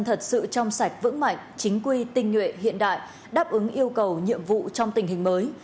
thật sự trong sạch vững mạnh chính quy tinh nhuệ hiện đại đáp ứng yêu cầu nhiệm vụ trong tình hình mới